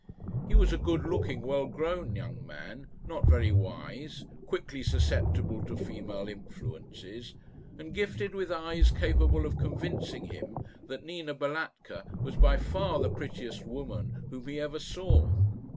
He was a good looking well grown young man, not very wise, quickly susceptible to female influences, and gifted with eyes capable of convincing him that Nina Balatka was by far the prettiest woman whom he ever saw.